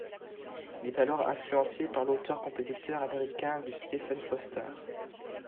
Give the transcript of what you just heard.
Il est alors influencé par l'auteur-compositeur américain du Stephen Foster.